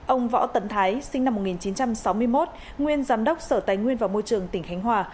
ông võ tấn thái sinh năm một nghìn chín trăm sáu mươi một nguyên giám đốc sở tài nguyên và môi trường tỉnh khánh hòa